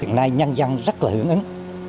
hiện nay nhân dân rất là hưởng ứng